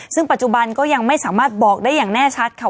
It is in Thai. ซึ่งปัจจุบันก็ยังไม่สามารถบอกได้อย่างแน่ชัดค่ะ